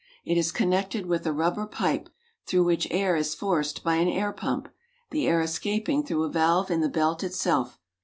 It is connected with a rubber pipe, through which air is forced by an air pump, the air escaping through a valve in the belt itself.